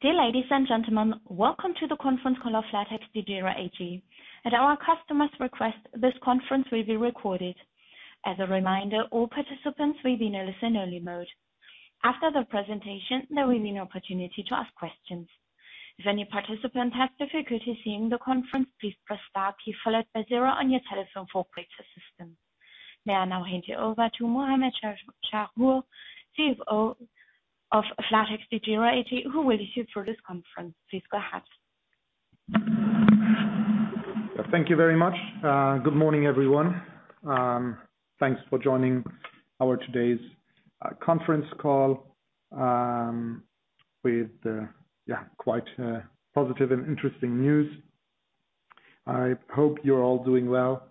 Dear ladies and gentlemen, welcome to the conference call of flatexDEGIRO AG. At our customer's request, this conference will be recorded. As a reminder, all participants will be in a listen-only mode. After the presentation, there will be an opportunity to ask questions. If any participant has difficulty seeing the conference, please press star key followed by zero on your telephone for operator assistance. May I now hand you over to Muhamad Chahrour, CFO of flatexDEGIRO AG, who will lead you through this conference. Please go ahead. Thank you very much. Good morning, everyone. Thanks for joining today's conference call with yeah quite positive and interesting news. I hope you're all doing well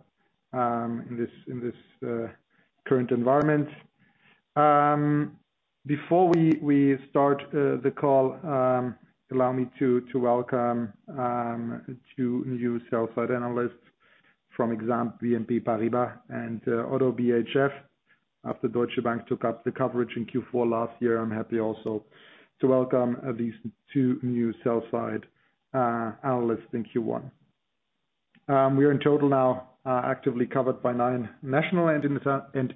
in this current environment. Before we start the call, allow me to welcome two new sell-side analysts from BNP Paribas Exane and ODDO BHF. After Deutsche Bank took up the coverage in Q4 last year, I'm happy also to welcome at least two new sell-side analysts in Q1. We are in total now actively covered by nine national and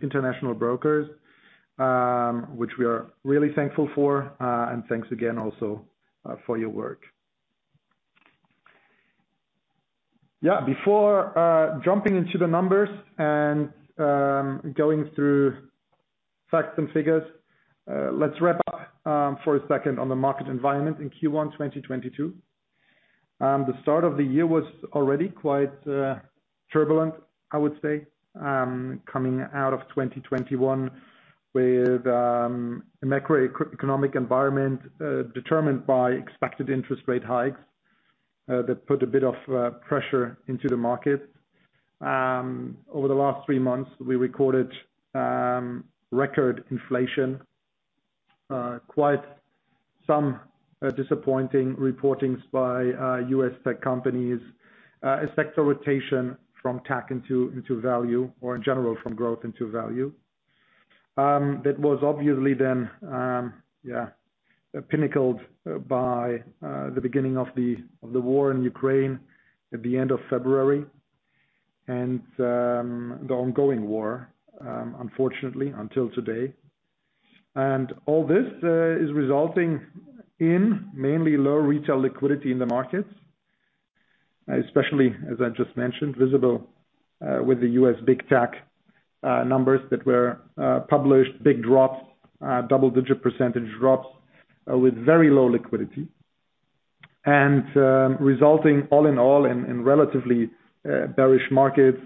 international brokers, which we are really thankful for, and thanks again also for your work. Before jumping into the numbers and going through facts and figures, let's wrap up for a second on the market environment in Q1, 2022. The start of the year was already quite turbulent, I would say, coming out of 2021 with a macroeconomic environment determined by expected interest rate hikes that put a bit of pressure into the market. Over the last three months, we recorded record inflation, quite some disappointing reporting by U.S. tech companies, a sector rotation from tech into value, or in general from growth into value. That was obviously then pinnacled by the beginning of the war in Ukraine at the end of February and the ongoing war, unfortunately until today. All this is resulting in mainly low retail liquidity in the markets, especially as I just mentioned, visible with the U.S. Big Tech numbers that were published, big drops, double-digit percentage drops, with very low liquidity. Resulting all in all in relatively bearish markets.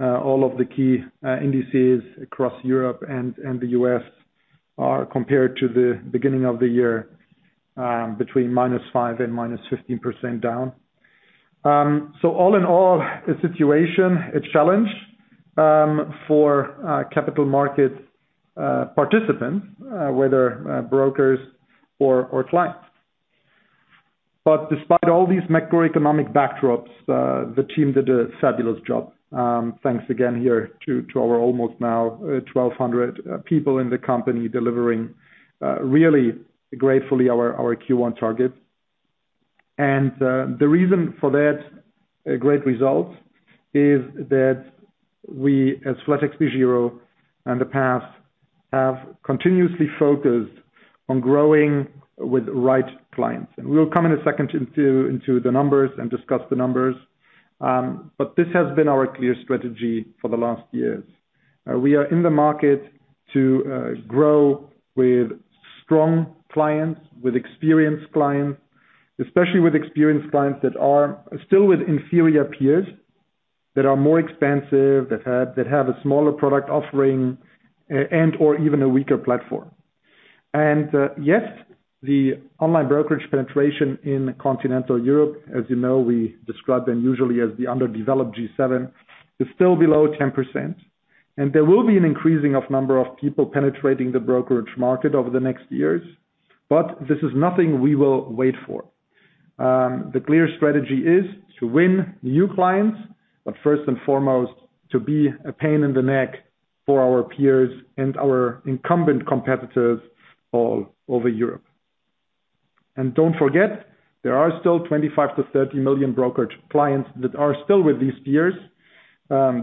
All of the key indices across Europe and the U.S. are, compared to the beginning of the year, between -5% and -15% down. All in all the situation, a challenge, for capital markets participants, whether brokers or clients. Despite all these macroeconomic backdrops, the team did a fabulous job. Thanks again here to our almost now 1,200 people in the company delivering really gratefully our Q1 targets. The reason for that great result is that we, as flatexDEGIRO in the past, have continuously focused on growing with right clients. We'll come in a second into the numbers and discuss the numbers. This has been our clear strategy for the last years. We are in the market to grow with strong clients, with experienced clients, especially with experienced clients that are still with inferior peers, that are more expensive, that have a smaller product offering, and/or even a weaker platform. Yes, the online brokerage penetration in continental Europe, as you know, we describe them usually as the underdeveloped G7, is still below 10%. There will be an increasing number of people penetrating the brokerage market over the next years. This is nothing we will wait for. The clear strategy is to win new clients, but first and foremost, to be a pain in the neck for our peers and our incumbent competitors all over Europe. Don't forget, there are still 25-30 million brokerage clients that are still with these peers,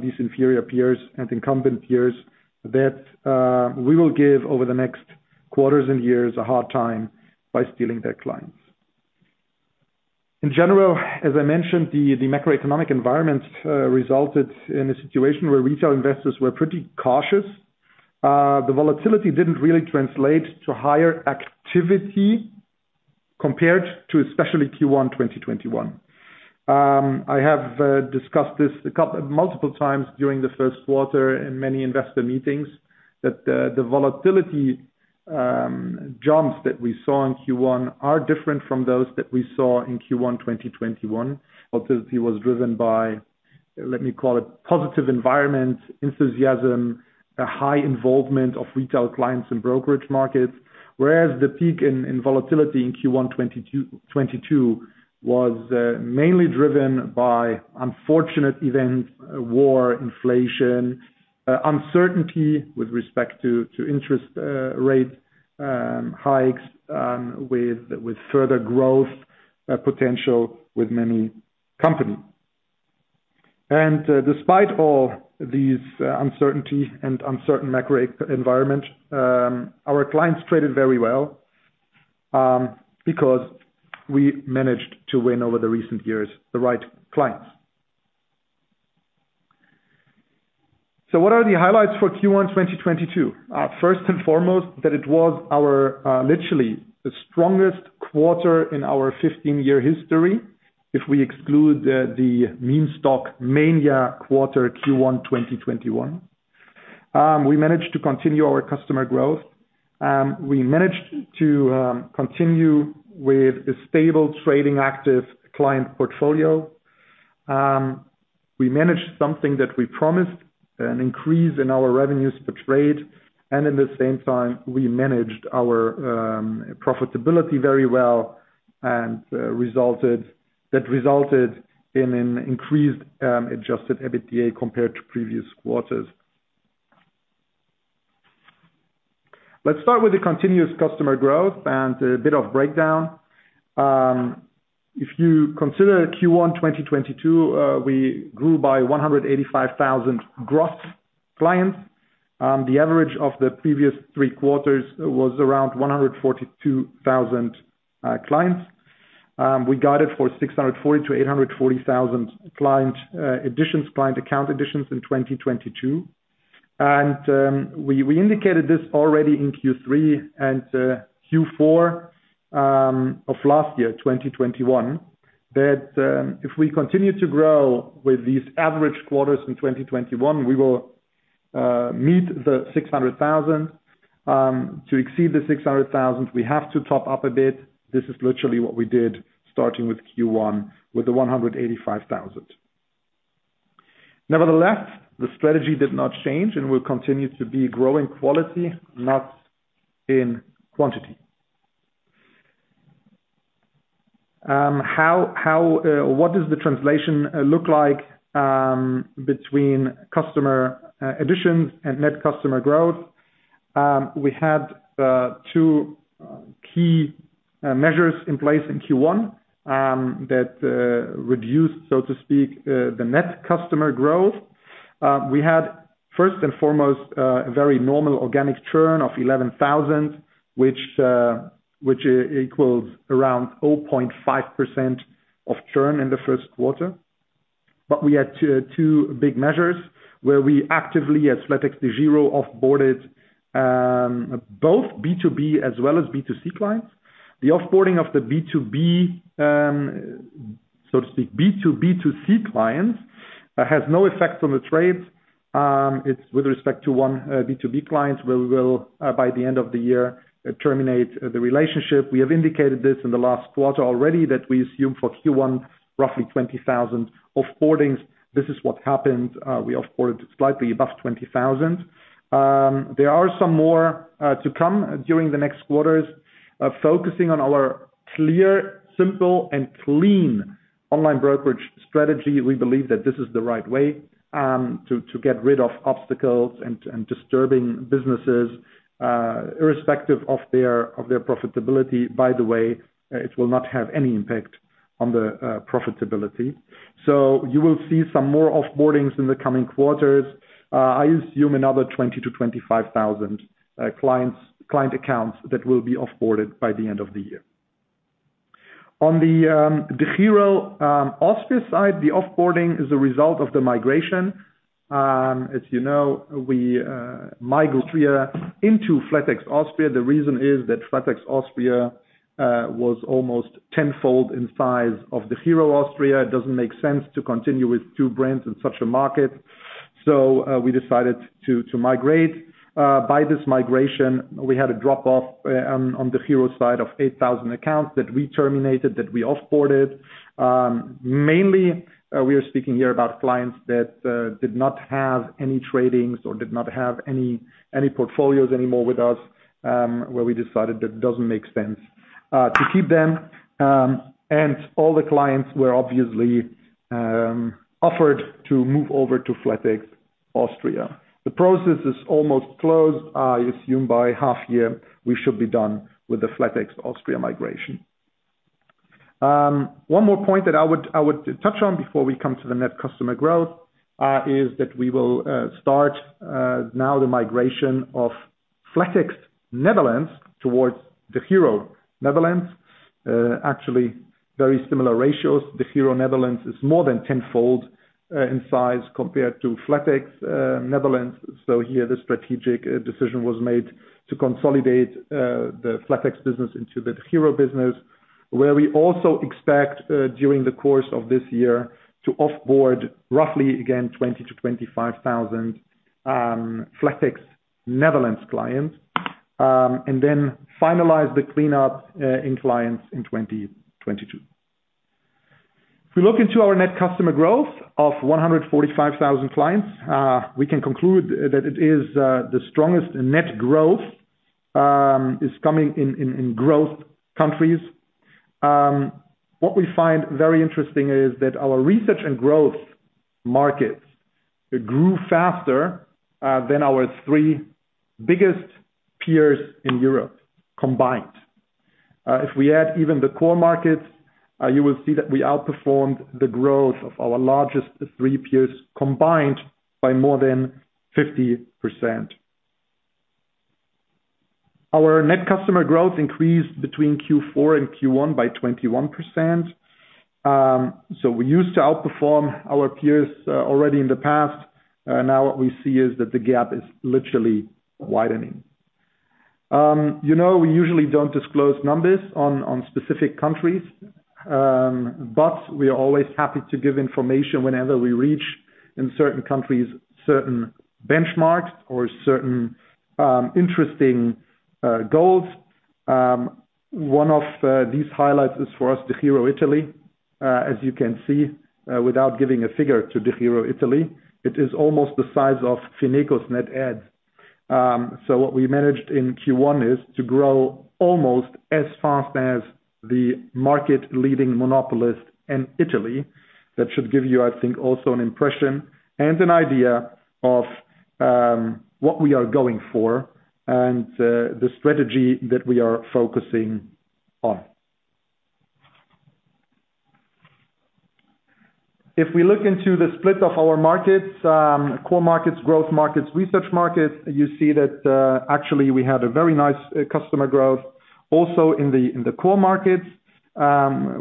these inferior peers and incumbent peers that we will give over the next quarters and years a hard time by stealing their clients. In general, as I mentioned, the macroeconomic environment resulted in a situation where retail investors were pretty cautious. The volatility didn't really translate to higher activity compared to especially Q1 2021. I have discussed this multiple times during the first quarter in many investor meetings that the volatility jumps that we saw in Q1 are different from those that we saw in Q1 2021. Volatility was driven by, let me call it, positive environment, enthusiasm, a high involvement of retail clients in brokerage markets, whereas the peak in volatility in Q1 2022 was mainly driven by unfortunate events, war, inflation, uncertainty with respect to interest rate hikes, with further growth potential with many companies. Despite all these uncertainty and uncertain macro environment, our clients traded very well, because we managed to win over the recent years, the right clients. What are the highlights for Q1 2022? First and foremost, that it was our literally the strongest quarter in our 15-year history, if we exclude the meme stock mania quarter Q1 2021. We managed to continue our customer growth. We managed to continue with a stable trading active client portfolio. We managed something that we promised, an increase in our revenues per trade, and in the same time, we managed our profitability very well, and that resulted in an increased adjusted EBITDA compared to previous quarters. Let's start with the continuous customer growth and a bit of breakdown. If you consider Q1 2022, we grew by 185,000 gross clients. The average of the previous three quarters was around 142,000 clients. We guided for 640,000-840,000 client account additions in 2022. We indicated this already in Q3 and Q4 of last year, 2021. That, if we continue to grow with these average quarters in 2021, we will meet the 600,000. To exceed the 600,000, we have to top up a bit. This is literally what we did, starting with Q1, with the 185,000. Nevertheless, the strategy did not change, and we'll continue to be growing quality, not in quantity. What does the relation look like between customer additions and net customer growth? We had two key measures in place in Q1 that reduced, so to speak, the net customer growth. We had, first and foremost, a very normal organic churn of 11,000, which equals around 0.5% of churn in the first quarter. We had two big measures where we actively, as flatexDEGIRO, off-boarded both B2B as well as B2C clients. The off-boarding of the B2B, so to speak, B2B2C clients, has no effect on the trades. It's with respect to one B2B client, we will, by the end of the year, terminate the relationship. We have indicated this in the last quarter already that we assume for Q1, roughly 20,000 off-boardings. This is what happened. We off-boarded slightly above 20,000. There are some more to come during the next quarters, focusing on our clear, simple, and clean online brokerage strategy. We believe that this is the right way to get rid of obstacles and disturbing businesses, irrespective of their profitability. By the way, it will not have any impact on the profitability. You will see some more off-boardings in the coming quarters. I assume another 20 thousand-25 thousand clients, client accounts that will be off-boarded by the end of the year. On the DEGIRO Austria side, the off-boarding is a result of the migration. As you know, we migrate Austria into flatex Austria. The reason is that flatex Austria was almost tenfold in size of DEGIRO Austria. It doesn't make sense to continue with two brands in such a market. We decided to migrate. By this migration, we had a drop-off on DEGIRO's side of 8,000 accounts that we terminated, that we off-boarded. Mainly, we are speaking here about clients that did not have any tradings or did not have any portfolios anymore with us, where we decided it doesn't make sense to keep them. All the clients were obviously offered to move over to flatex Austria. The process is almost closed. I assume by half year, we should be done with the flatex Austria migration. One more point that I would touch on before we come to the net customer growth is that we will start now the migration of flatex Netherlands towards DEGIRO Netherlands. Actually very similar ratios. DEGIRO Netherlands is more than 10-fold in size compared to flatex Netherlands. So here the strategic decision was made to consolidate the flatex business into the DEGIRO business. Where we also expect during the course of this year to off-board roughly, again, 20,000-25,000 flatex Netherlands clients, and then finalize the cleanup of clients in 2022. If we look into our net customer growth of 145,000 clients, we can conclude that it is the strongest net growth is coming in growth countries. What we find very interesting is that our research and growth markets grew faster than our three biggest peers in Europe combined. If we add even the core markets, you will see that we outperformed the growth of our largest three peers combined by more than 50%. Our net customer growth increased between Q4 and Q1 by 21%. We used to outperform our peers already in the past. Now what we see is that the gap is literally widening. You know, we usually don't disclose numbers on specific countries, but we are always happy to give information whenever we reach in certain countries certain benchmarks or certain interesting goals. One of these highlights is for us, DEGIRO Italy, as you can see, without giving a figure to DEGIRO Italy, it is almost the size of FinecoBank's net adds. What we managed in Q1 is to grow almost as fast as the market-leading monopolist in Italy. That should give you, I think, also an impression and an idea of what we are going for and the strategy that we are focusing on. If we look into the split of our markets, core markets, growth markets, rest markets, you see that, actually we had a very nice, customer growth also in the, in the core markets.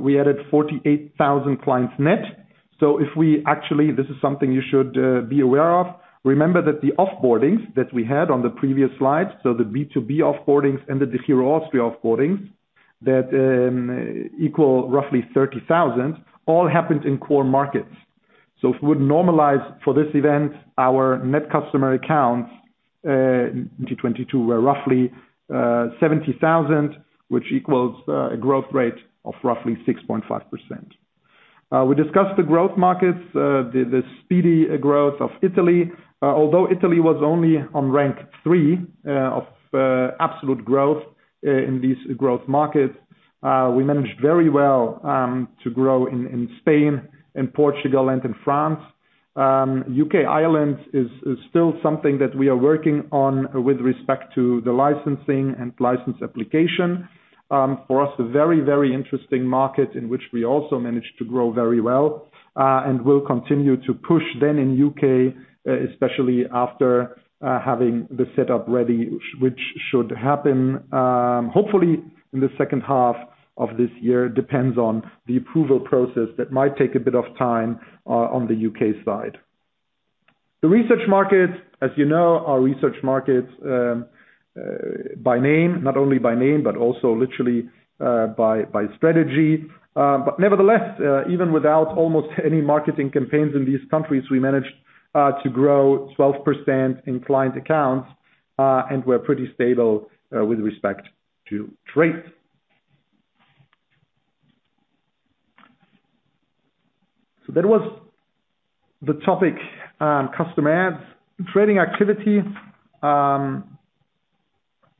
We added 48,000 clients net. So if we actually, this is something you should be aware of. Remember that the off-boardings that we had on the previous slide, so the B2B off-boardings and the DEGIRO Austria off-boardings that, equal roughly 30,000, all happened in core markets. So if we would normalize for this event, our net customer accounts, in 2022 were roughly, 70,000, which equals, a growth rate of roughly 6.5%. We discussed the growth markets, the speedy growth of Italy. Although Italy was only on rank three of absolute growth in these growth markets, we managed very well to grow in Spain and Portugal and in France. U.K., Ireland is still something that we are working on with respect to the licensing and license application. For us, a very, very interesting market in which we also managed to grow very well and will continue to push then in U.K., especially after having the setup ready, which should happen hopefully in the second half of this year. Depends on the approval process that might take a bit of time on the U.K. side. The research markets, as you know, are research markets by name, not only by name, but also literally by strategy. Nevertheless, even without almost any marketing campaigns in these countries, we managed to grow 12% in client accounts, and we're pretty stable with respect to trades. That was the topic, customer adds. Trading activity,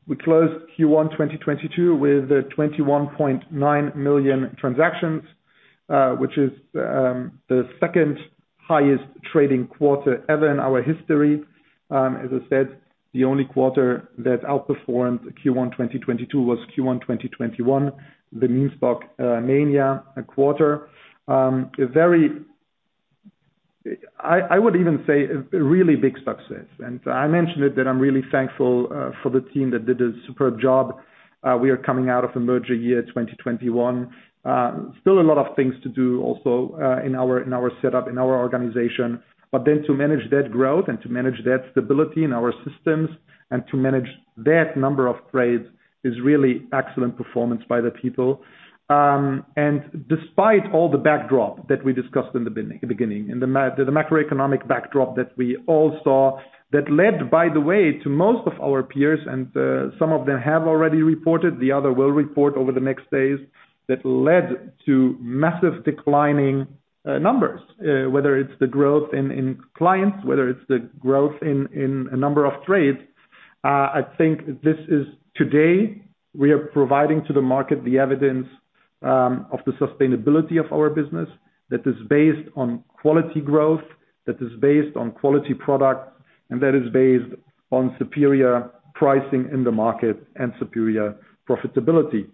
we closed Q1 2022 with 21.9 million transactions, which is the second highest trading quarter ever in our history. As I said, the only quarter that outperformed Q1 2022 was Q1 2021, the meme stock mania quarter. I would even say a really big success. I mentioned it that I'm really thankful for the team that did a superb job. We are coming out of a merger year, 2021. Still a lot of things to do also in our setup, in our organization. To manage that growth and to manage that stability in our systems and to manage that number of trades is really excellent performance by the people. Despite all the backdrop that we discussed in the beginning, in the macroeconomic backdrop that we all saw, that led, by the way, to most of our peers, and some of them have already reported, the others will report over the next days, that led to massive declining numbers. Whether it's the growth in clients, whether it's the growth in a number of trades, I think this is today, we are providing to the market the evidence of the sustainability of our business that is based on quality growth, that is based on quality product, and that is based on superior pricing in the market and superior profitability.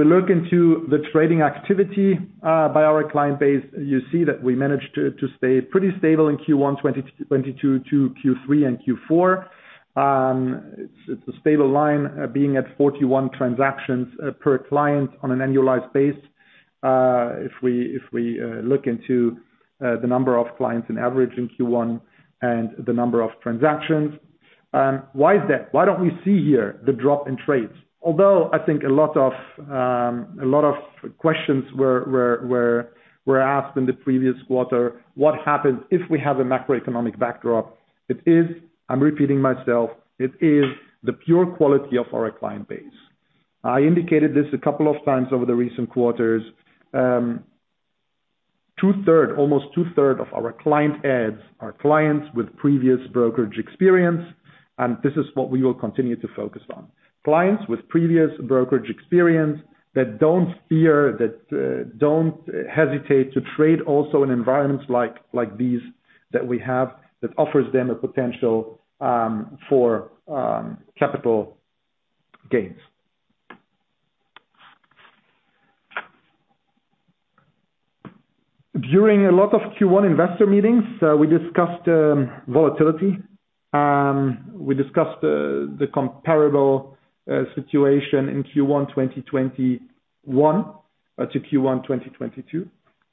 If we look into the trading activity by our client base, you see that we managed to stay pretty stable in Q1 2022 to Q3 and Q4. It's a stable line, being at 41 transactions per client on an annualized basis. If we look into the average number of clients in Q1 and the number of transactions, why is that? Why don't we see here the drop in trades? Although I think a lot of questions were asked in the previous quarter, what happens if we have a macroeconomic backdrop? It is, I'm repeating myself, it is the pure quality of our client base. I indicated this a couple of times over the recent quarters. Almost two-thirds of our client adds are clients with previous brokerage experience, and this is what we will continue to focus on. Clients with previous brokerage experience that don't hesitate to trade also in environments like these that we have, that offers them a potential for capital gains. During a lot of Q1 investor meetings, we discussed volatility, we discussed the comparable situation in Q1 2021 to Q1 2022.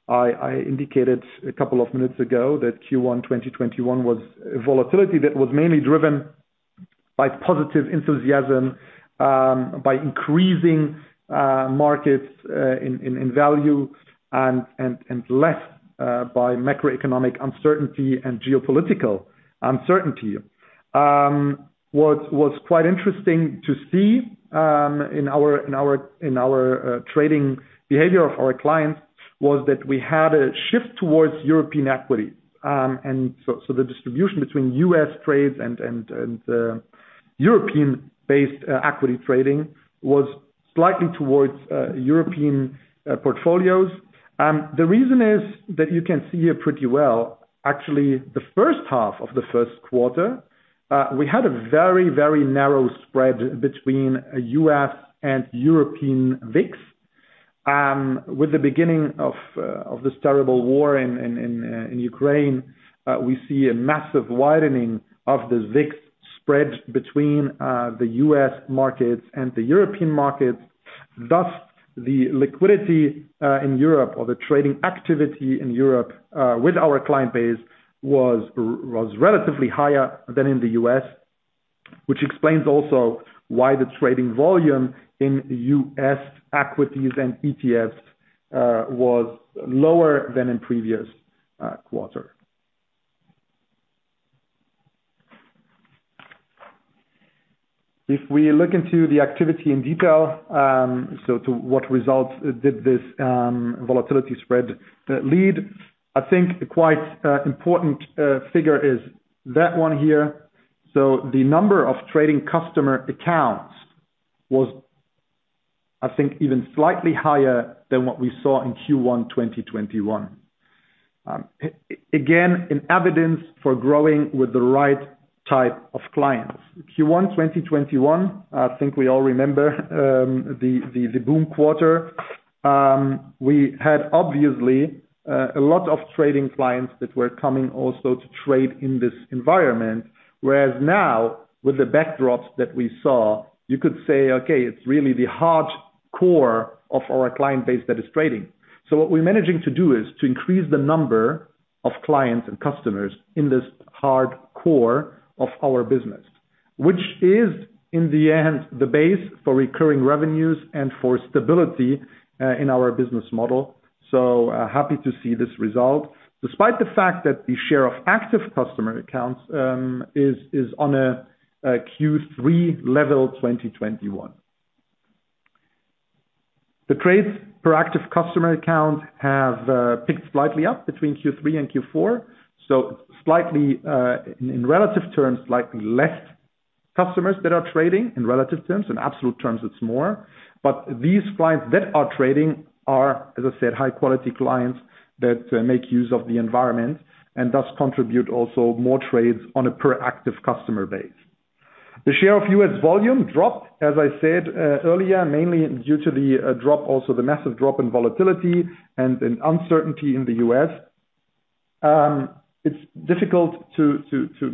I indicated a couple of minutes ago that Q1 2021 was a volatility that was mainly driven by positive enthusiasm, by increasing markets in value and less by macroeconomic uncertainty and geopolitical uncertainty. What was quite interesting to see in our trading behavior of our clients was that we had a shift towards European equity. The distribution between U.S. trades and European-based equity trading was slightly towards European portfolios. The reason is that you can see here pretty well, actually the first half of the first quarter we had a very narrow spread between U.S. and European VIX. With the beginning of this terrible war in Ukraine we see a massive widening of the VIX spread between the U.S. markets and the European markets. Thus, the liquidity in Europe or the trading activity in Europe with our client base was relatively higher than in the U.S., which explains also why the trading volume in U.S. equities and ETFs was lower than in previous quarter. If we look into the activity in detail, to what results did this volatility spread lead? I think quite important figure is that one here. The number of trading customer accounts was, I think, even slightly higher than what we saw in Q1 2021. Again, an evidence for growing with the right type of clients. Q1 2021, I think we all remember, the boom quarter. We had obviously a lot of trading clients that were coming also to trade in this environment. Whereas now with the backdrops that we saw, you could say, "Okay, it's really the hard core of our client base that is trading." What we're managing to do is to increase the number of clients and customers in this hard core of our business. Which is in the end, the base for recurring revenues and for stability in our business model. Happy to see this result despite the fact that the share of active customer accounts is on a Q3 level 2021. The trades per active customer account have picked slightly up between Q3 and Q4. Slightly in relative terms, slightly less customers that are trading in relative terms. In absolute terms it's more. These clients that are trading are, as I said, high quality clients that make use of the environment and thus contribute also more trades on a per active customer base. The share of U.S. volume dropped, as I said, earlier, mainly due to the drop, also the massive drop in volatility and in uncertainty in the U.S. It's difficult to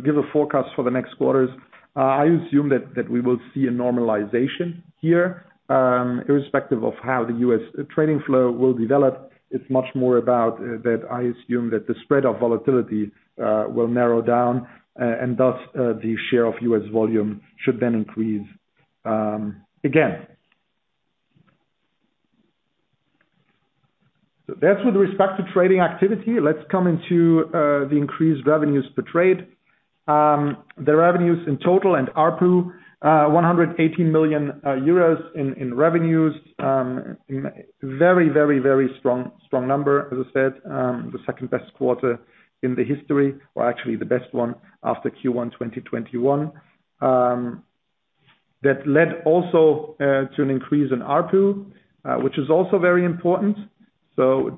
give a forecast for the next quarters. I assume that we will see a normalization here, irrespective of how the U.S. trading flow will develop. It's much more about that I assume that the spread of volatility will narrow down and thus the share of U.S. volume should then increase again. That's with respect to trading activity. Let's come into the increased revenues per trade. The revenues in total and ARPU, 180 million euros in revenues. Very strong number as I said. The second best quarter in the history or actually the best one after Q1 2021. That led also to an increase in ARPU, which is also very important.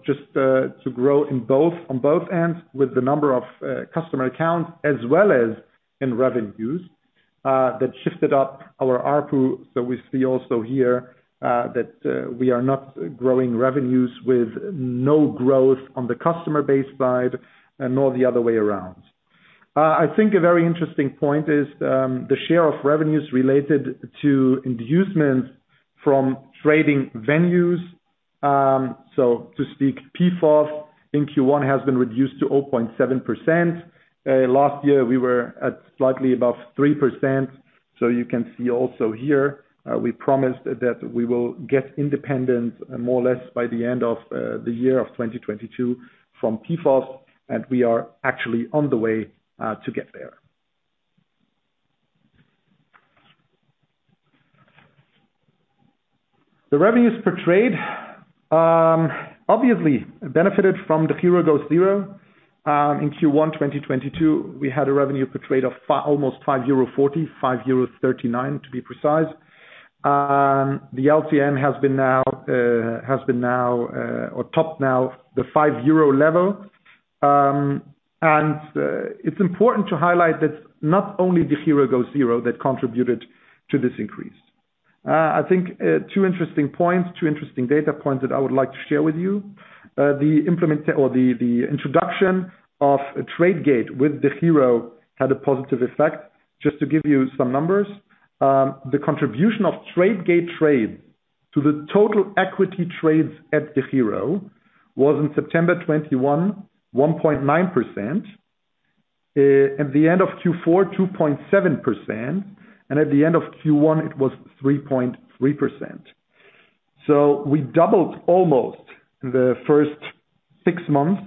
Just to grow in both, on both ends with the number of customer accounts as well as in revenues, that shifted up our ARPU. We see also here that we are not growing revenues with no growth on the customer base side and nor the other way around. I think a very interesting point is the share of revenues related to inducements from trading venues. To speak, PFOF in Q1 has been reduced to 0.7%. Last year we were at slightly above 3%. You can see also here, we promised that we will get independent more or less by the end of the year of 2022 from PFOF, and we are actually on the way to get there. The revenues per trade obviously benefited from the DEGIRO goes zero. In Q1 2022, we had a revenue per trade of almost 5.40 euro, 5.39 euro to be precise. The LCN has now topped the EUR 5 level. It's important to highlight that not only the DEGIRO goes zero that contributed to this increase. I think two interesting points, two interesting data points that I would like to share with you. The introduction of Tradegate with DEGIRO had a positive effect. Just to give you some numbers, the contribution of Tradegate trades to the total equity trades at DEGIRO was in September 2021, 1.9%. At the end of Q4, 2.7%, and at the end of Q1 it was 3.3%. We doubled almost in the first six months.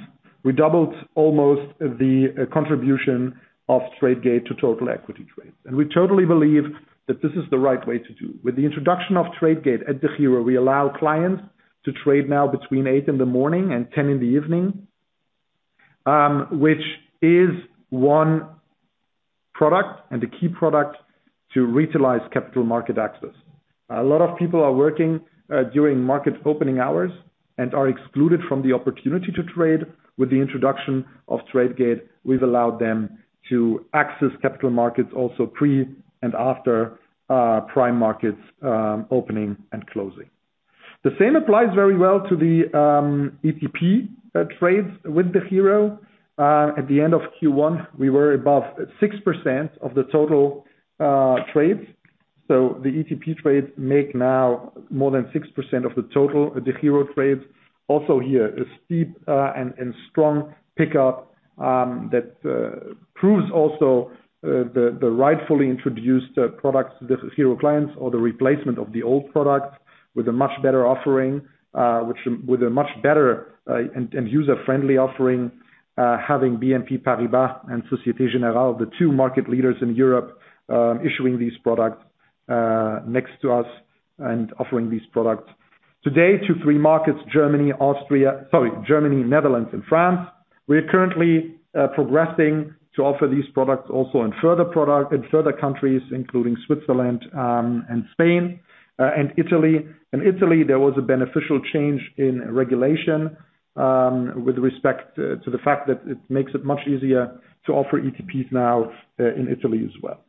We doubled almost the contribution of Tradegate to total equity trades. We totally believe that this is the right way to do. With the introduction of Tradegate after hours, we allow clients to trade now between 8:00 A.M. and 10:00 P.M., which is one product and a key product to retailize capital market access. A lot of people are working during market opening hours and are excluded from the opportunity to trade. With the introduction of Tradegate, we've allowed them to access capital markets also pre and after prime markets opening and closing. The same applies very well to the ETP trades after hours. At the end of Q1, we were above 6% of the total trades. The ETP trades make now more than 6% of the total after hours trades. Here, a steep and strong pickup that proves also the rightfully introduced products to the DEGIRO clients or the replacement of the old products with a much better offering, which with a much better and user-friendly offering, having BNP Paribas and Société Générale, the two market leaders in Europe, issuing these products next to us and offering these products today to three markets, Germany, Netherlands and France. We are currently progressing to offer these products also in further countries, including Switzerland and Spain and Italy. In Italy, there was a beneficial change in regulation with respect to the fact that it makes it much easier to offer ETPs now in Italy as well.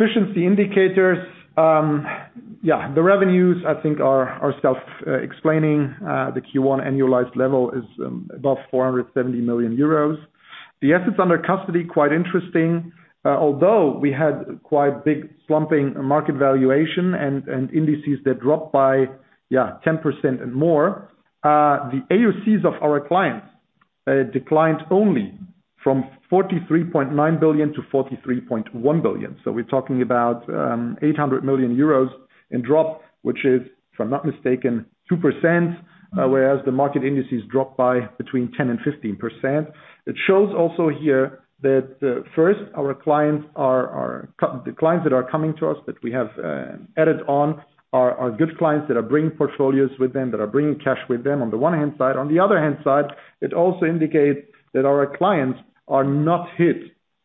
Efficiency indicators. Yeah, the revenues I think are self-explanatory. The Q1 annualized level is above 470 million euros. The assets under custody, quite interesting. Although we had quite big slumping market valuation and indices that dropped by 10% and more, the AUCs of our clients declined only from 43.9 billion to 43.1 billion. We're talking about 800 million euros in drop, which is, if I'm not mistaken, 2%, whereas the market indices dropped by between 10% and 15%. It shows also here that first the clients that are coming to us, that we have added on are good clients that are bringing portfolios with them, that are bringing cash with them on the one hand side. On the other hand side, it also indicates that our clients are not hit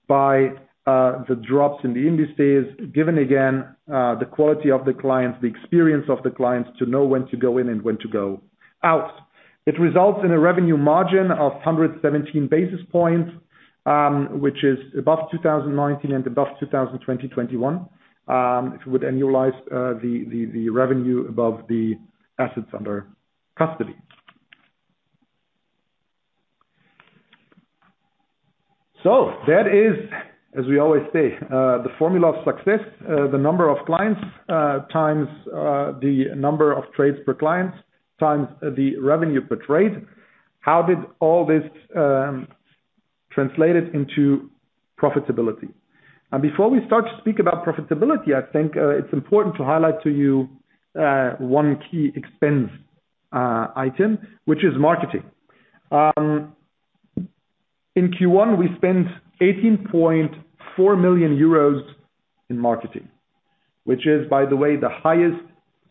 by the drops in the indices, given again the quality of the clients, the experience of the clients to know when to go in and when to go out. It results in a revenue margin of 117 basis points, which is above 2019 and above 2020 and 2021, if you would annualize the revenue above the assets under custody. That is, as we always say, the formula of success. The number of clients times the number of trades per clients times the revenue per trade. How did all this translate it into profitability? Before we start to speak about profitability, I think it's important to highlight to you one key expense item, which is marketing. In Q1 we spent 18.4 million euros in marketing, which is, by the way, the highest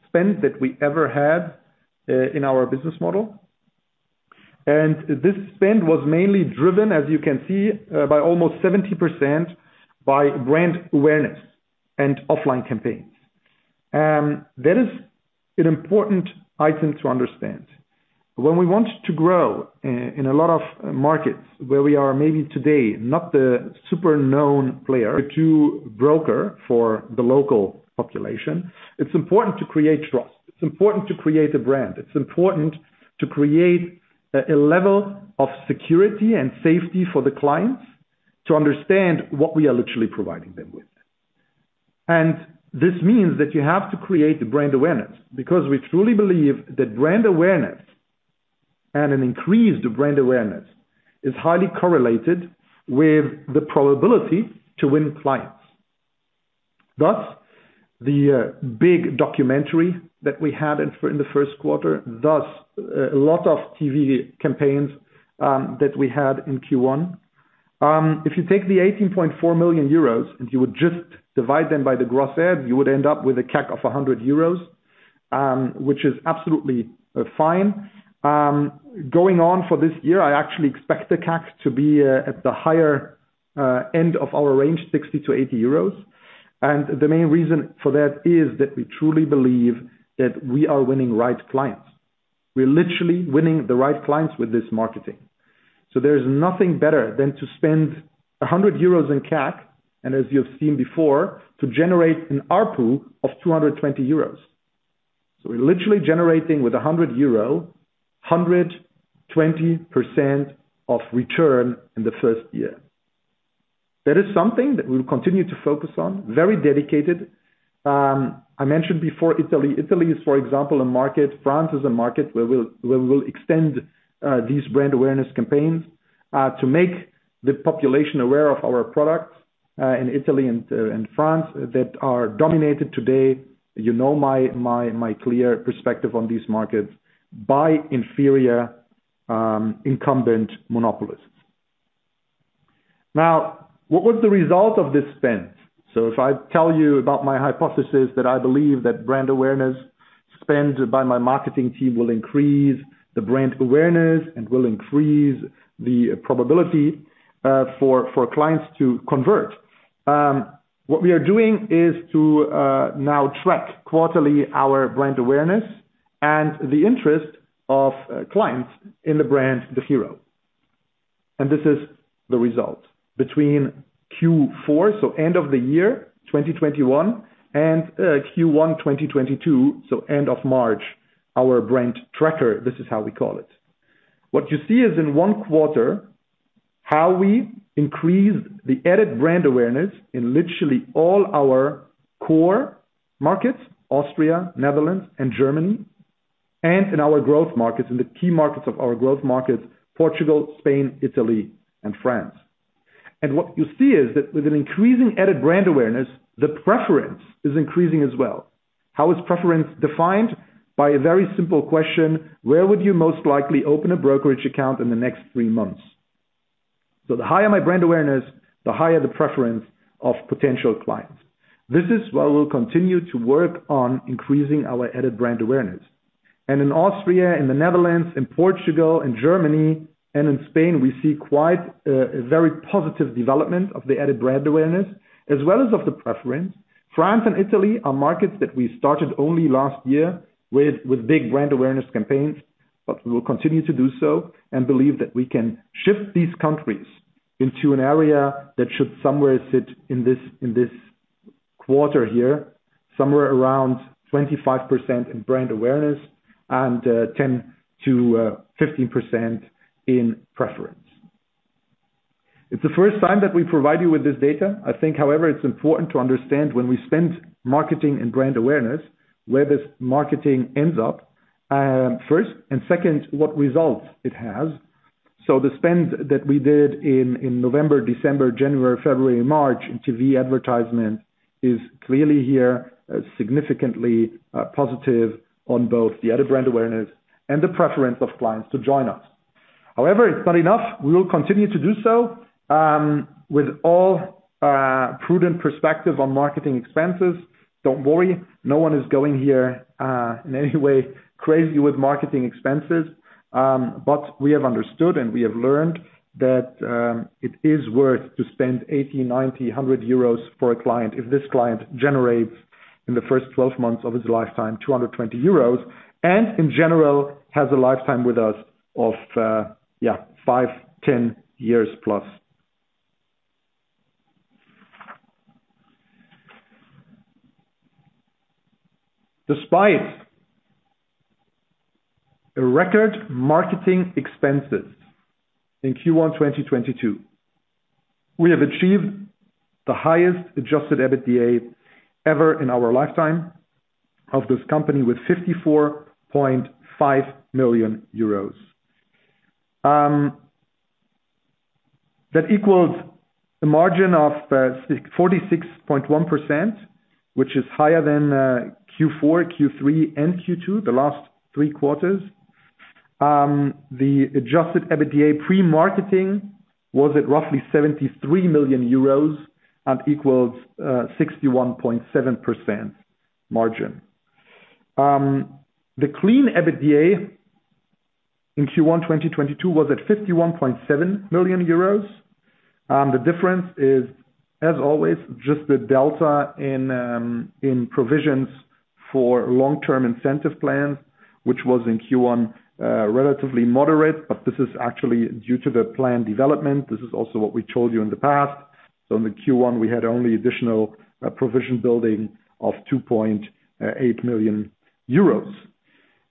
spend that we ever had in our business model. This spend was mainly driven, as you can see, by almost 70% by brand awareness and offline campaigns. That is an important item to understand. When we want to grow in a lot of markets where we are maybe today not the super known player to broker for the local population, it's important to create trust. It's important to create a brand. It's important to create a level of security and safety for the clients to understand what we are literally providing them with. This means that you have to create the brand awareness because we truly believe that brand awareness and an increase to brand awareness is highly correlated with the probability to win clients. Thus, the big documentary that we had in the first quarter, thus a lot of TV campaigns that we had in Q1. If you take the 18.4 million euros and you would just divide them by the gross add, you would end up with a CAC of 100 euros, which is absolutely fine. Going on for this year, I actually expect the CAC to be at the higher end of our range 60-80 euros. The main reason for that is that we truly believe that we are winning right clients. We're literally winning the right clients with this marketing. There's nothing better than to spend 100 euros in CAC, and as you have seen before, to generate an ARPU of 220 euros. We're literally generating with 100 euro, 120% return in the first year. That is something that we'll continue to focus on, very dedicated. I mentioned before Italy. Italy is, for example, a market. France is a market where we'll extend these brand awareness campaigns to make the population aware of our products in Italy and France that are dominated today. You know, my clear perspective on these markets by inferior incumbent monopolists. Now, what was the result of this spend? If I tell you about my hypothesis that I believe that brand awareness spend by my marketing team will increase the brand awareness and will increase the probability for clients to convert. What we are doing is to now track quarterly our brand awareness and the interest of clients in the brand, DEGIRO. This is the result between Q4, so end of the year, 2021, and Q1, 2022, so end of March, our brand tracker. This is how we call it. What you see is in one quarter, how we increased aided brand awareness in literally all our core markets, Austria, Netherlands, and Germany, and in our growth markets, in the key markets of our growth markets, Portugal, Spain, Italy, and France. What you see is that with an increasing added brand awareness, the preference is increasing as well. How is preference defined? By a very simple question, where would you most likely open a brokerage account in the next three months? The higher my brand awareness, the higher the preference of potential clients. This is why we'll continue to work on increasing our added brand awareness. In Austria, in the Netherlands, in Portugal, in Germany, and in Spain, we see quite a very positive development of the added brand awareness, as well as of the preference. France and Italy are markets that we started only last year with big brand awareness campaigns, but we will continue to do so and believe that we can shift these countries into an area that should somewhere sit in this quarter here, somewhere around 25% in brand awareness and ten to fifteen percent in preference. It's the first time that we provide you with this data. I think, however, it's important to understand when we spend marketing and brand awareness, where this marketing ends up, first, and second, what results it has. The spend that we did in November, December, January, February, and March into the advertisement is clearly here significantly positive on both the added brand awareness and the preference of clients to join us. However, it's not enough. We will continue to do so with all prudent perspective on marketing expenses. Don't worry, no one is going here in any way crazy with marketing expenses. We have understood and we have learned that it is worth to spend 80 euros, 90 euros, 100 euros for a client if this client generates in the first 12 months of his lifetime 220 euros, and in general has a lifetime with us of five, 10+ years. Despite a record marketing expenses in Q1 2022, we have achieved the highest adjusted EBITDA ever in our lifetime of this company with 54.5 million euros. That equals a margin of 46.1%, which is higher than Q4, Q3, and Q2, the last three quarters. The adjusted EBITDA pre-marketing was at roughly 73 million euros and equals 61.7% margin. The clean EBITDA in Q1 2022 was at 51.7 million euros. The difference is, as always, just the delta in provisions for long-term incentive plans, which was in Q1 relatively moderate, but this is actually due to the plan development. This is also what we told you in the past. In Q1, we had only additional provision building of 2.8 million euros.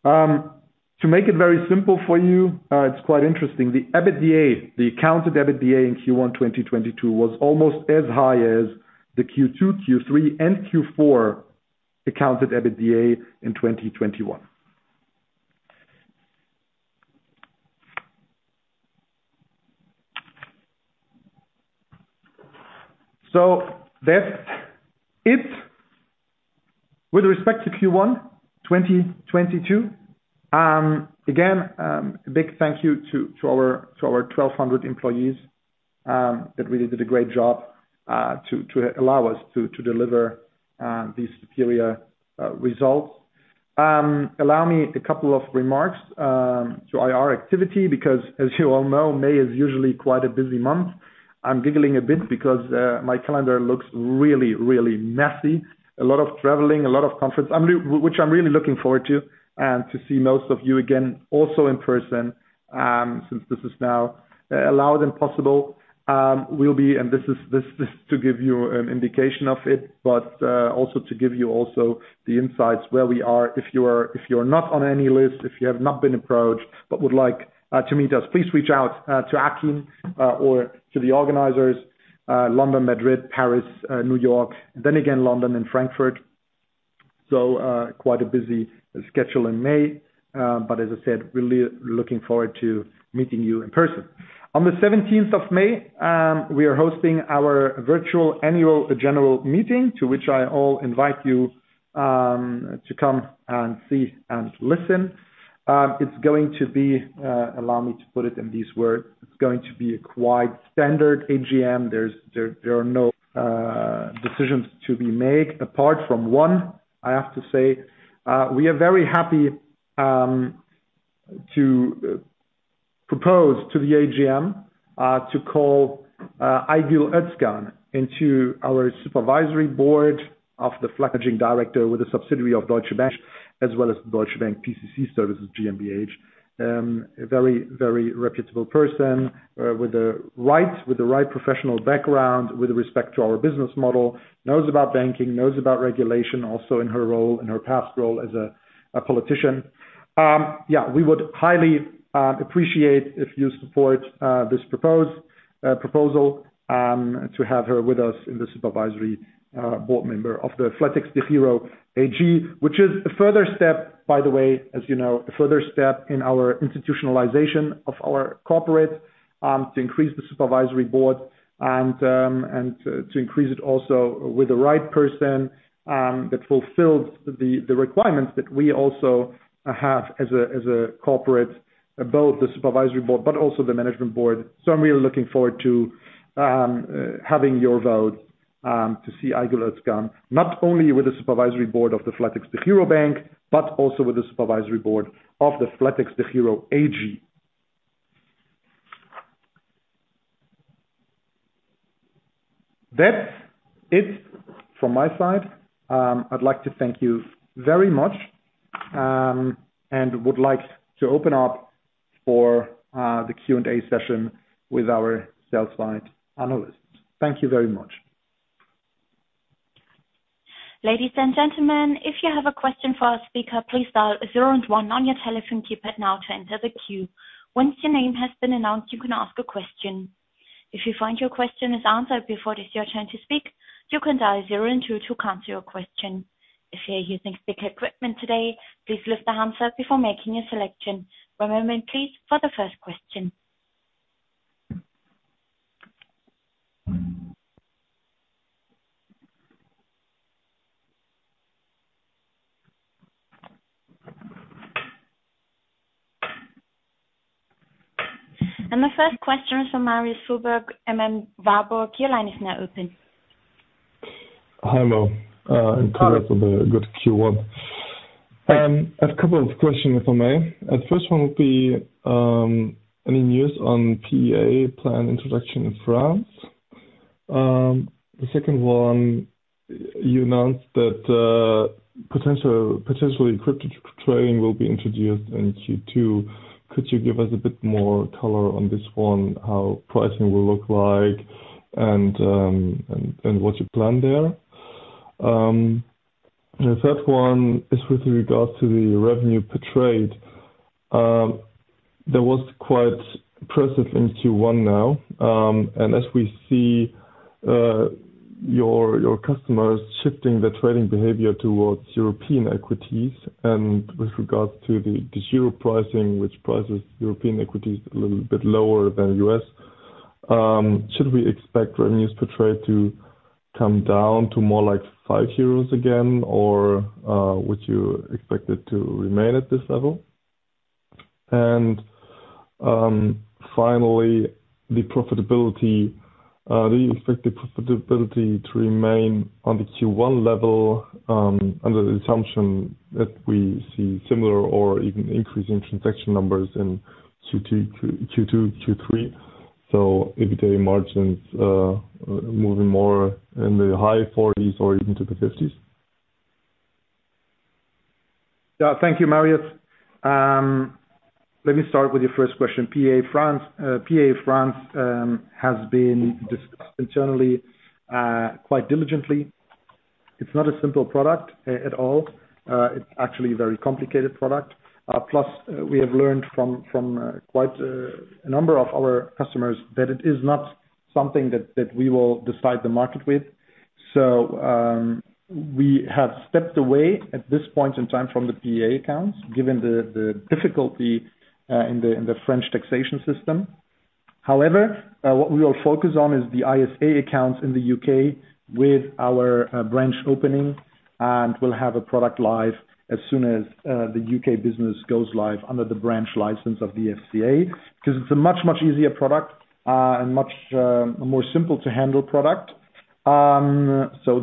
To make it very simple for you, it's quite interesting. The EBITDA, the accounted EBITDA in Q1 2022 was almost as high as the Q2, Q3, and Q4 accounted EBITDA in 2021. That's it with respect to Q1 2022. Again, a big thank you to our 1,200 employees that really did a great job to allow us to deliver these superior results. Allow me a couple of remarks to IR activity, because as you all know, May is usually quite a busy month. I'm giggling a bit because my calendar looks really, really messy. A lot of traveling, a lot of conference. Which I'm really looking forward to and to see most of you again also in person, since this is now allowed and possible. This is to give you an indication of it, but also to give you the insights where we are. If you're not on any list, if you have not been approached, but would like to meet us, please reach out to Akin or to the organizers, London, Madrid, Paris, New York, and then again, London and Frankfurt. Quite a busy schedule in May. As I said, really looking forward to meeting you in person. On the seventeenth of May, we are hosting our virtual annual general meeting, to which I invite all of you to come and see and listen. It's going to be, allow me to put it in these words, quite a standard AGM. There are no decisions to be made apart from one, I have to say. We are very happy to propose to the AGM to call Aygül Özkan into our supervisory board of the flatexDEGIRO AG director with a subsidiary of Deutsche Bank, as well as Deutsche Bank PCC Services GmbH. A very reputable person with the right professional background with respect to our business model. Knows about banking, knows about regulation, also in her past role as a politician. We would highly appreciate if you support this proposal to have her with us in the supervisory board member of the flatexDEGIRO AG. Which is a further step, by the way, as you know, a further step in our institutionalization of our corporate to increase the supervisory board and to increase it also with the right person that fulfills the requirements that we also have as a corporate, both the supervisory board, but also the management board. So I'm really looking forward to having your vote to see Aygül Özkan, not only with the supervisory board of the flatexDEGIRO Bank AG, but also with the supervisory board of the flatexDEGIRO AG. That's it from my side. I'd like to thank you very much and would like to open up for the Q&A session with our sell-side analysts. Thank you very much. Ladies and gentlemen, if you have a question for our speaker, please dial zero and one on your telephone keypad now to enter the queue. Once your name has been announced, you can ask a question. If you find your question is answered before it is your turn to speak, you can dial zero and two to cancel your question. If you're using speaker equipment today, please lift the handset before making your selection. One moment, please, for the first question. The first question from Marius Fuhrberg, Warburg Research. Your line is now open. Hello. Hi. Congrats with a good Q1. A couple of questions, if I may. First one would be any news on PEA plan introduction in France? The second one, you announced that potentially crypto trading will be introduced in Q2. Could you give us a bit more color on this one, how pricing will look like and what's your plan there? The third one is with regards to the revenue per trade. There was quite progress in Q1 now. And as we see, your customers shifting their trading behavior towards European equities, and with regards to the zero pricing, which prices European equities a little bit lower than U.S., should we expect revenues per trade to come down to more like 5 euros again? Or would you expect it to remain at this level? Finally, the profitability. Do you expect the profitability to remain on the Q1 level, under the assumption that we see similar or even increase in transaction numbers in Q2, Q3? So EBITDA margins, moving more in the high 40s% or even to the 50s%. Yeah. Thank you, Marius. Let me start with your first question. PEA France has been discussed internally quite diligently. It's not a simple product at all. It's actually a very complicated product. Plus, we have learned from quite a number of our customers that it is not something that we will decide the market with. We have stepped away at this point in time from the PEA accounts, given the difficulty in the French taxation system. However, what we will focus on is the ISA accounts in the U.K. with our branch opening, and we'll have a product live as soon as the U.K. business goes live under the branch license of the FCA. 'Cause it's a much easier product, and much more simple to handle product.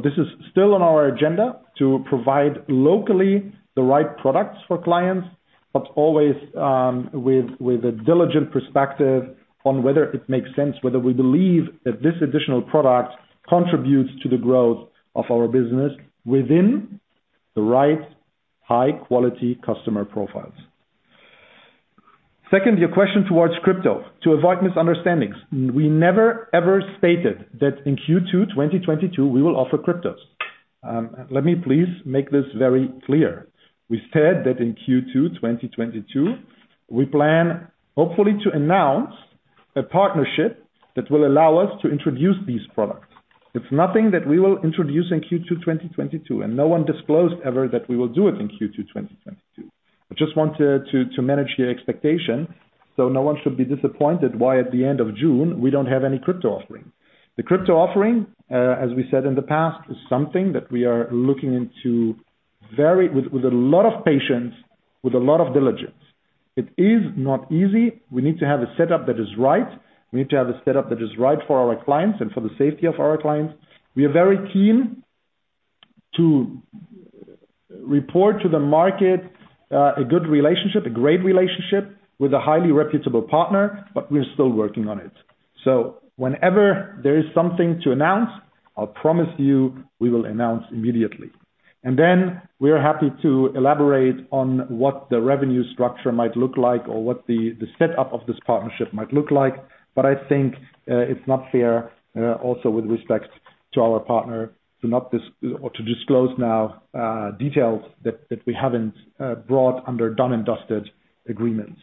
This is still on our agenda to provide locally the right products for clients, but always with a diligent perspective on whether it makes sense, whether we believe that this additional product contributes to the growth of our business within the right high quality customer profiles. Second, your question toward crypto. To avoid misunderstandings, we never, ever stated that in Q2 2022 we will offer cryptos. Let me please make this very clear. We said that in Q2 2022, we plan hopefully to announce a partnership that will allow us to introduce these products. It's nothing that we will introduce in Q2 2022, and no one disclosed ever that we will do it in Q2 2022. I just wanted to manage your expectations so no one should be disappointed why at the end of June we don't have any crypto offering. The crypto offering, as we said in the past, is something that we are looking into with a lot of patience, with a lot of diligence. It is not easy. We need to have a setup that is right. We need to have a setup that is right for our clients and for the safety of our clients. We are very keen to report to the market a good relationship, a great relationship with a highly reputable partner, but we're still working on it. Whenever there is something to announce, I'll promise you we will announce immediately, and then we are happy to elaborate on what the revenue structure might look like or what the setup of this partnership might look like. I think it's not fair, also with respect to our partner, to disclose now details that we haven't brought to a done and dusted agreement.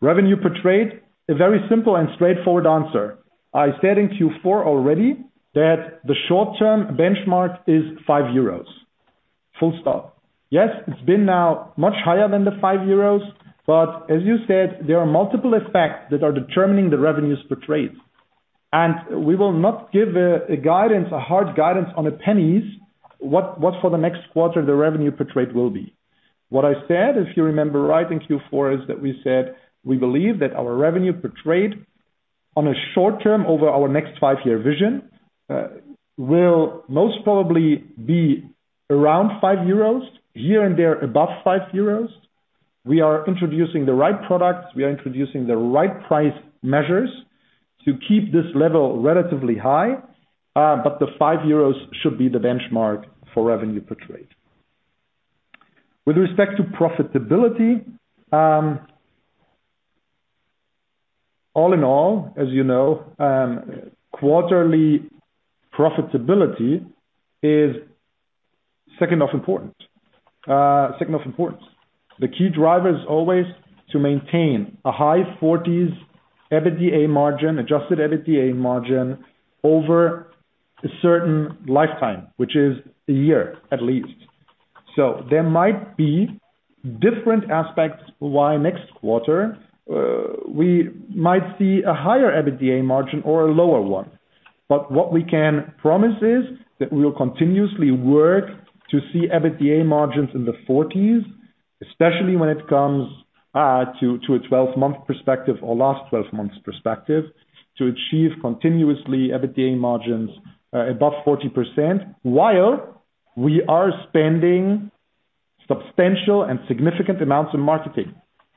Revenue per trade, a very simple and straightforward answer. I said in Q4 already that the short term benchmark is 5 euros. Full stop. Yes, it's been now much higher than the 5 euros, but as you said, there are multiple aspects that are determining the revenues per trade. We will not give a guidance, a hard guidance on the pennies, what for the next quarter the revenue per trade will be. What I said, if you remember right in Q4, is that we said we believe that our revenue per trade on a short term over our next five-year vision, will most probably be around 5 euros, here and there above 5 euros. We are introducing the right products. We are introducing the right price measures to keep this level relatively high. But the 5 euros should be the benchmark for revenue per trade. With respect to profitability, all in all, as you know, quarterly profitability is second of importance. The key driver is always to maintain a high 40s% adjusted EBITDA margin over a certain lifetime, which is a year at least. There might be different aspects why next quarter, we might see a higher EBITDA margin or a lower one. What we can promise is that we will continuously work to see EBITDA margins in the 40s%, especially when it comes to a 12-month perspective or last 12 months perspective, to achieve continuously EBITDA margins above 40% while we are spending substantial and significant amounts in marketing.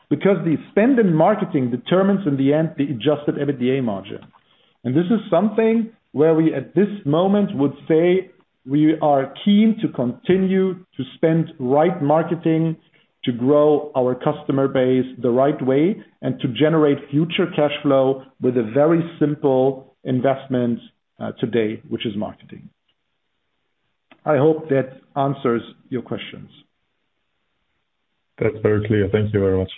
Because the spend in marketing determines in the end the adjusted EBITDA margin. This is something where we at this moment would say we are keen to continue to spend right marketing, to grow our customer base the right way, and to generate future cash flow with a very simple investment today, which is marketing. I hope that answers your questions. That's very clear. Thank you very much.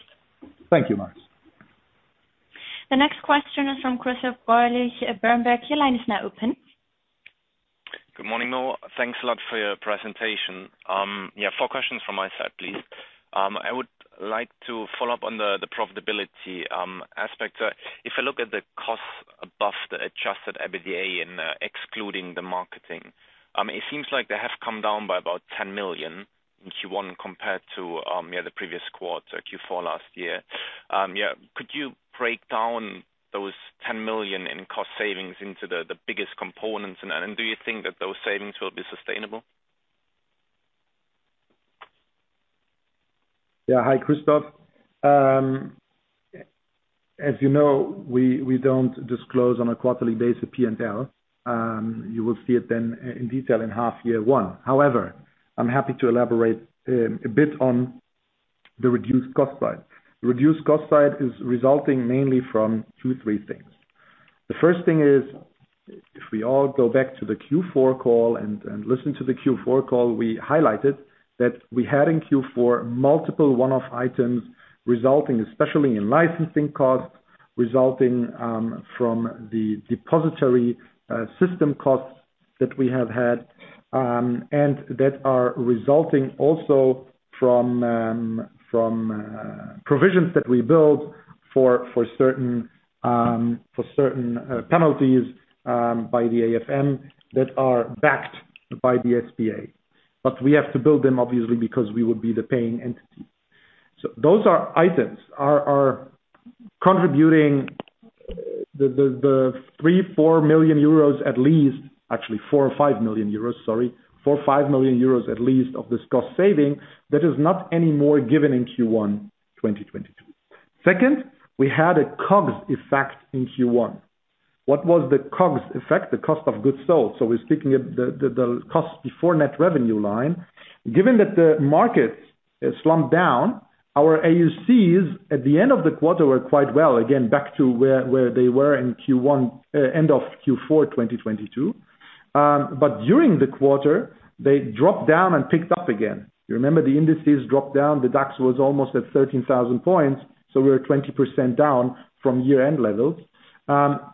Thank you, Marius. The next question is from Christoph Greulich at Berenberg. Your line is now open. Good morning, all. Thanks a lot for your presentation. Four questions from my side, please. I would like to follow up on the profitability aspect. If I look at the costs above the adjusted EBITDA and excluding the marketing, it seems like they have come down by about 10 million in Q1 compared to the previous quarter, Q4 last year. Could you break down those 10 million in cost savings into the biggest components? Do you think that those savings will be sustainable? Yeah. Hi, Christoph. As you know, we don't disclose on a quarterly basis P&L. You will see it then in detail in half year one. However, I'm happy to elaborate a bit on the reduced cost side. The reduced cost side is resulting mainly from two, three things. The first thing is, if we all go back to the Q4 call and listen to the Q4 call, we highlighted that we had in Q4 multiple one-off items resulting especially in licensing costs, resulting from the depository system costs that we have had, and that are resulting also from provisions that we build for certain penalties by the AFM that are backed by the DNB. We have to build them obviously, because we would be the paying entity. So those are items are contributing the 3 million-4 million euros at least. Actually 4 million-5 million euros, sorry. 4 million-5 million euros at least of this cost saving that is not anymore given in Q1 2022. Second, we had a COGS effect in Q1. What was the COGS effect? The cost of goods sold. So we're speaking of the cost before net revenue line. Given that the markets slumped down, our AUCs at the end of the quarter were quite well, again, back to where they were in Q1, end of Q4 2022. But during the quarter, they dropped down and picked up again. You remember the indices dropped down. The DAX was almost at 13,000 points, so we were 20% down from year-end levels,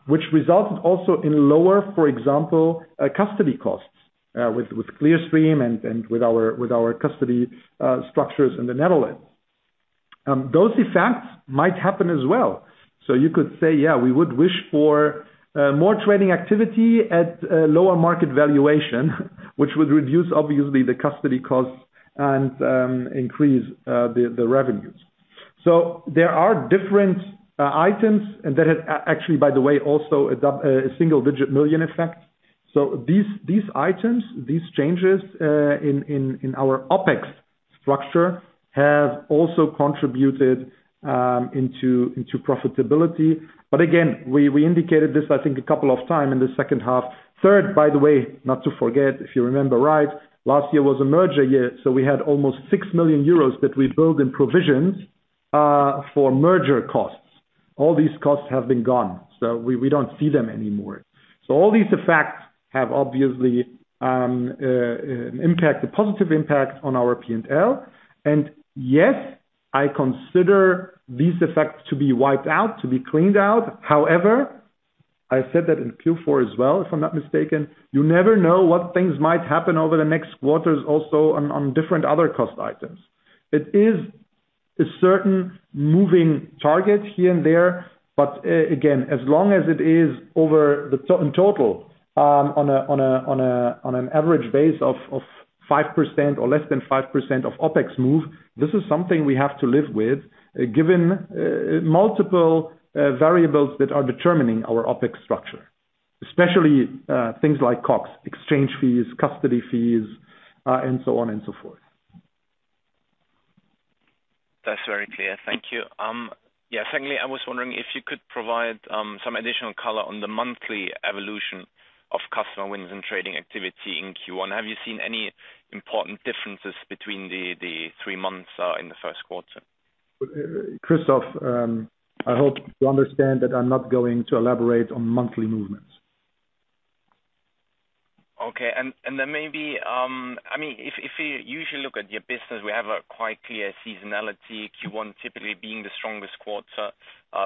which resulted also in lower, for example, custody costs with Clearstream and with our custody structures in the Netherlands. Those effects might happen as well. You could say, yeah, we would wish for more trading activity at a lower market valuation, which would reduce obviously the custody costs and increase the revenues. There are different items and that has actually, by the way, also a single-digit million effect. These items, these changes in our OPEX structure have also contributed to profitability. Again, we indicated this I think a couple of times in the second half. Third, by the way, not to forget, if you remember right, last year was a merger year, so we had almost 6 million euros that we built in provisions for merger costs. All these costs have been gone, we don't see them anymore. All these effects have obviously a positive impact on our P&L. Yes, I consider these effects to be wiped out, to be cleaned out. However, I said that in Q4 as well, if I'm not mistaken, you never know what things might happen over the next quarters also on different other cost items. It is a certain moving target here and there, but again, as long as it is in total on an average basis of 5% or less than 5% OPEX move, this is something we have to live with given multiple variables that are determining our OPEX structure, especially things like COGS, exchange fees, custody fees, and so on and so forth. That's very clear. Thank you. Yeah. Secondly, I was wondering if you could provide some additional color on the monthly evolution of customer wins and trading activity in Q1. Have you seen any important differences between the three months in the first quarter? Christoph, I hope you understand that I'm not going to elaborate on monthly movements. Maybe, I mean, if you usually look at your business, we have a quite clear seasonality, Q1 typically being the strongest quarter,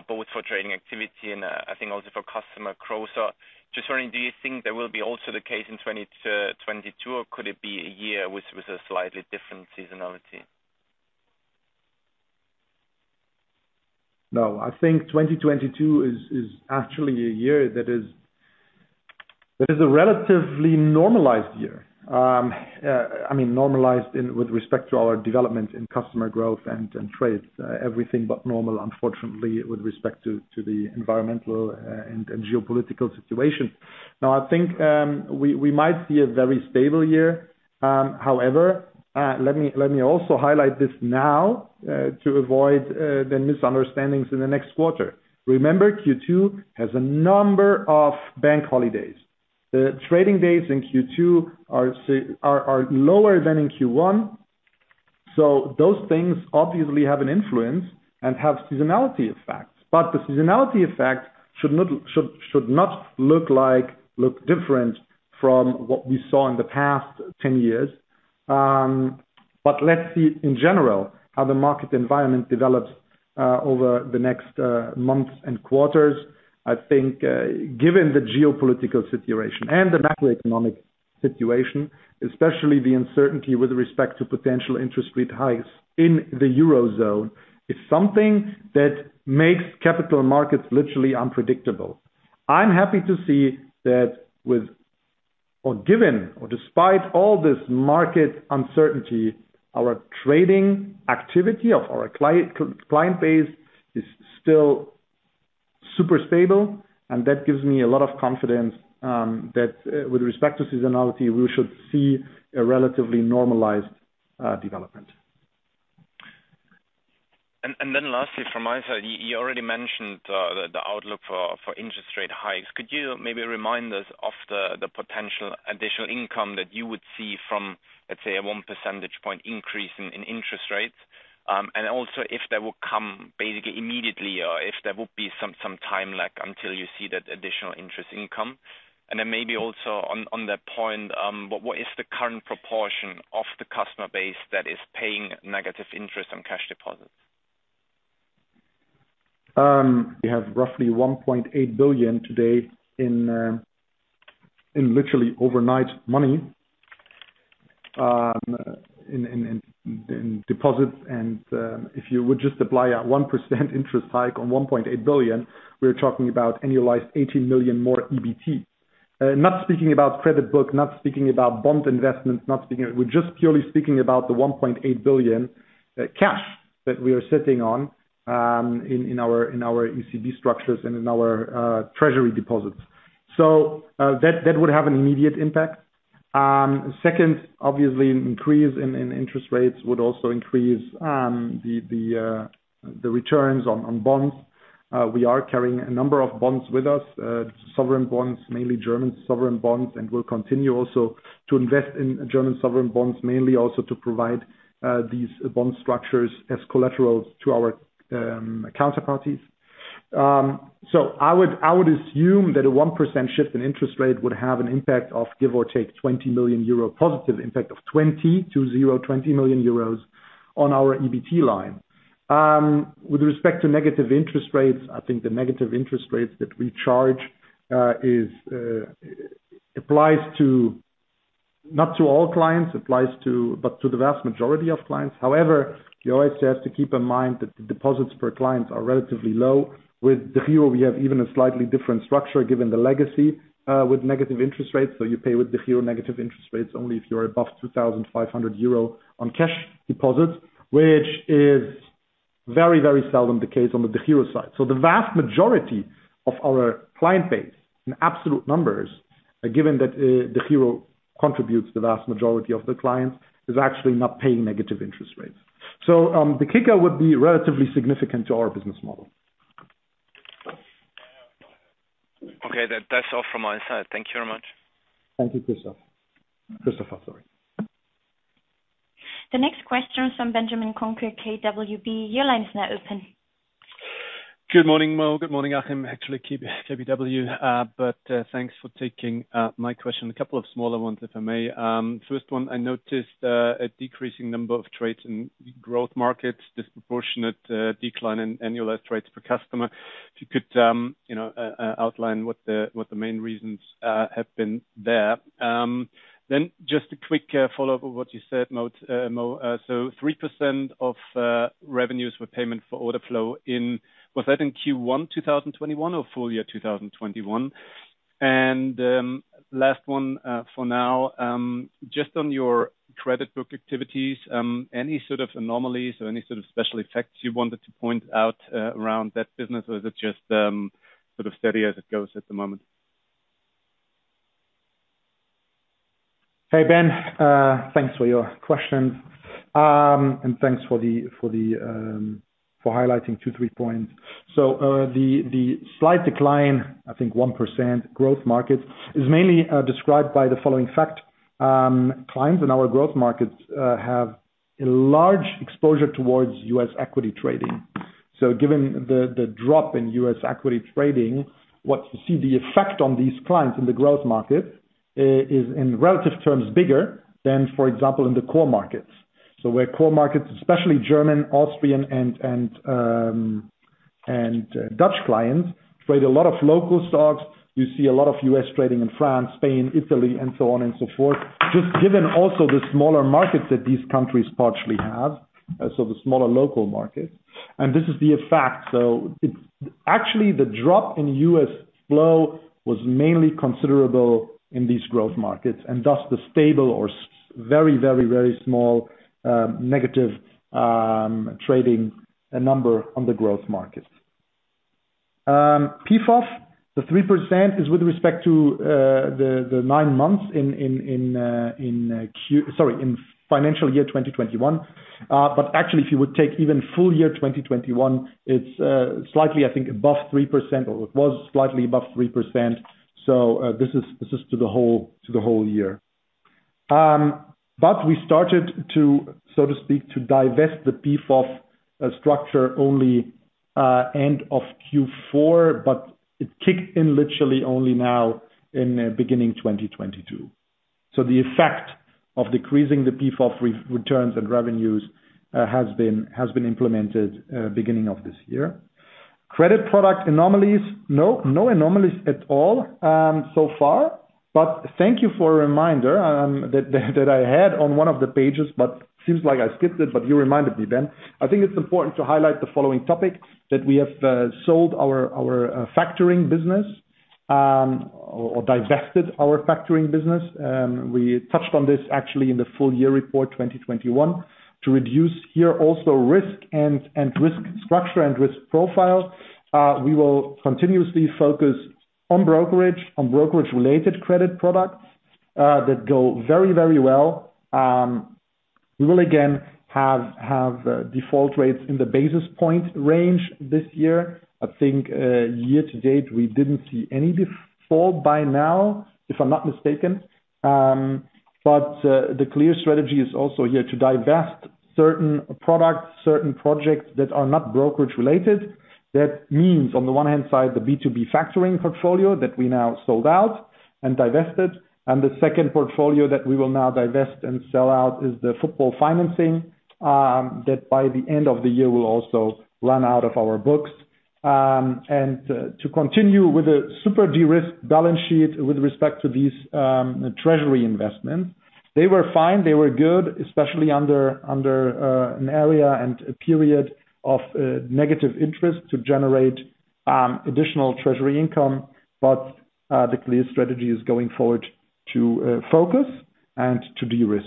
both for trading activity and, I think also for customer growth. Just wondering, do you think that will be also the case in 2022, or could it be a year with a slightly different seasonality? No. I think 2022 is actually a year that is a relatively normalized year. I mean, normalized in with respect to our development in customer growth and in trades. Everything but normal, unfortunately, with respect to the environmental and geopolitical situation. Now, I think we might see a very stable year. However, let me also highlight this now to avoid the misunderstandings in the next quarter. Remember, Q2 has a number of bank holidays. The trading days in Q2 are lower than in Q1. Those things obviously have an influence and have seasonality effects. The seasonality effect should not look different from what we saw in the past 10 years. Let's see in general how the market environment develops over the next months and quarters. I think given the geopolitical situation and the macroeconomic situation, especially the uncertainty with respect to potential interest rate hikes in the Eurozone, is something that makes capital markets literally unpredictable. I'm happy to see that with or given or despite all this market uncertainty, our trading activity of our client base is still super stable, and that gives me a lot of confidence that with respect to seasonality, we should see a relatively normalized development. Then lastly from my side, you already mentioned the outlook for interest rate hikes. Could you maybe remind us of the potential additional income that you would see from, let's say, a 1 percentage point increase in interest rates? Also if that would come basically immediately or if there would be some time lag until you see that additional interest income. Then maybe also on that point, but what is the current proportion of the customer base that is paying negative interest on cash deposits? We have roughly 1.8 billion today in literally overnight money in deposits. If you would just apply a 1% interest hike on 1.8 billion, we're talking about annualized 18 million more EBT. Not speaking about credit book, not speaking about bond investments. We're just purely speaking about the 1.8 billion cash that we are sitting on in our ECB structures and in our treasury deposits. That would have an immediate impact. Second, obviously an increase in interest rates would also increase the returns on bonds. We are carrying a number of bonds with us, sovereign bonds, mainly German sovereign bonds, and we'll continue also to invest in German sovereign bonds, mainly also to provide these bond structures as collaterals to our counterparties. I would assume that a 1% shift in interest rate would have an impact of, give or take, 20 million euro positive impact on our EBT line. With respect to negative interest rates, I think the negative interest rates that we charge applies to not all clients, but to the vast majority of clients. However, you always have to keep in mind that the deposits per client are relatively low. With DEGIRO, we have even a slightly different structure given the legacy with negative interest rates. You pay with the DEGIRO negative interest rates only if you're above 2,500 euro on cash deposits, which is very, very seldom the case on the DEGIRO side. The vast majority of our client base in absolute numbers, given that the DEGIRO contributes the vast majority of the clients, is actually not paying negative interest rates. The kicker would be relatively significant to our business model. Okay. That's all from my side. Thank you very much. Thank you, Christoph. Sorry. The next question is from Benjamin Kohnke, KBW. Your line is now open. Good morning, Mo. Good morning, Achim. Actually KBW. Thanks for taking my question. A couple of smaller ones, if I may. First one, I noticed a decreasing number of trades in growth markets, disproportionate decline in annualized trades per customer. If you could outline what the main reasons have been there. Then just a quick follow-up of what you said Mo. So 3% of revenues were payment for order flow. Was that in Q1 2021 or full year 2021? Last one for now. Just on your credit book activities, any sort of anomalies or any sort of special effects you wanted to point out around that business? Is it just, sort of steady as it goes at the moment? Hey, Ben, thanks for your questions, and thanks for highlighting two, three points. The slight decline, I think 1% growth market, is mainly described by the following fact. Clients in our growth markets have a large exposure towards U.S. equity trading. Given the drop in U.S. equity trading, what you see the effect on these clients in the growth market is in relative terms bigger than, for example, in the core markets. Where core markets, especially German, Austrian, and Dutch clients trade a lot of local stocks. You see a lot of U.S. trading in France, Spain, Italy, and so on and so forth. Just given also the smaller markets that these countries partially have, so the smaller local markets, and this is the effect. Actually, the drop in U.S. flow was mainly considerable in these growth markets, and thus the stable or very small negative trading number on the growth markets. PFOF, the 3% is with respect to the nine months in financial year 2021. Actually, if you would take even full year 2021, it's slightly, I think, above 3% or it was slightly above 3%. This is to the whole year. We started to, so to speak, to divest the PFOF structure only end of Q4, but it kicked in literally only now in beginning 2022. The effect of decreasing the PFOF re-returns and revenues has been implemented beginning of this year. Credit product anomalies. No anomalies at all so far. Thank you for a reminder that I had on one of the pages, but seems like I skipped it, but you reminded me, Ben. I think it's important to highlight the following topic that we have sold our factoring business or divested our factoring business. We touched on this actually in the full year report 2021 to reduce here also risk and risk structure and risk profile. We will continuously focus on brokerage, on brokerage-related credit products that go very, very well. We will again have default rates in the basis point range this year. I think, year to date, we didn't see any default by now, if I'm not mistaken. The clear strategy is also here to divest certain products, certain projects that are not brokerage related. That means, on the one hand side, the B2B factoring portfolio that we now sold out and divested. The second portfolio that we will now divest and sell out is the football financing, that by the end of the year will also run out of our books. To continue with a super de-risked balance sheet with respect to these, treasury investments. They were fine. They were good, especially under an era and a period of negative interest to generate additional treasury income. The clear strategy is going forward to focus and to de-risk.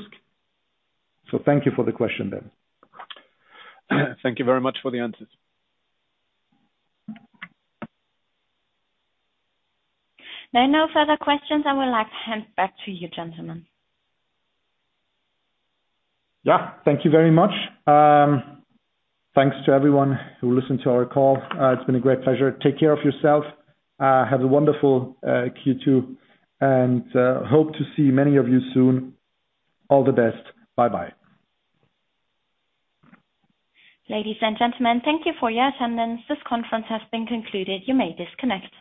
Thank you for the question, Ben. Thank you very much for the answers. There are no further questions. I would like to hand back to you, gentlemen. Yeah. Thank you very much. Thanks to everyone who listened to our call. It's been a great pleasure. Take care of yourself. Have a wonderful Q2, and hope to see many of you soon. All the best. Bye-bye. Ladies and gentlemen, thank you for your attendance. This conference has been concluded. You may disconnect.